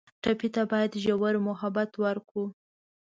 ټپي ته باید ژور محبت ورکړو.